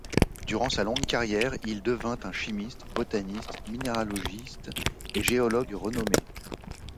Durant sa longue carrière, il devint un chimiste, botaniste, minéralogiste et géologue renommé.